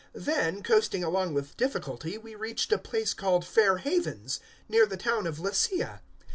027:008 Then, coasting along with difficulty, we reached a place called `Fair Havens,' near the town of Lasea.